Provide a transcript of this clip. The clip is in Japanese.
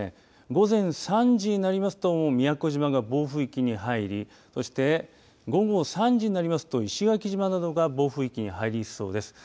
午前３時になりますと宮古島が暴風域に入りそして午後３時になりますと石垣島などが暴風域に入りそうです。